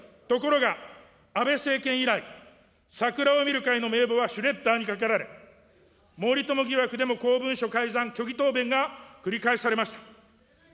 ところが、安倍政権以来、桜を見る会の名簿はシュレッダーにかけられ、森友疑惑でも公文書改ざん、虚偽答弁が繰り返されました。